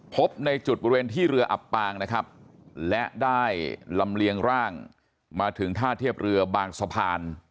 พบในจุดบริเวณที่เรืออับปางนะครับและได้ลำเลียงร่างมาถึงท่าเทียบเรือบางสะพาน